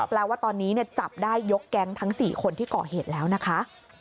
แปลว่าตอนนี้จับได้ยกแก๊งทั้ง๔คนที่ก่อเหตุแล้วนะคะ